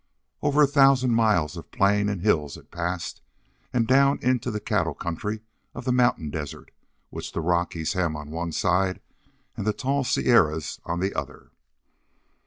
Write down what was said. Over a thousand miles of plain and hills it passed, and down into the cattle country of the mountain desert which the Rockies hem on one side and the tall Sierras on the other.